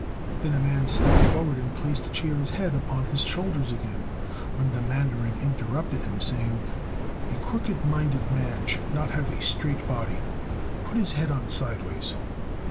Then a man stepped forward and placed Chia's head upon his shoulders again, when the mandarin interrupted him, saying, "A crooked minded man should not have a straight body: put his head on sideways."